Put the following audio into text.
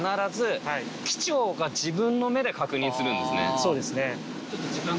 そうですね。